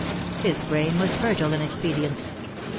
His brain was fertile in expedients.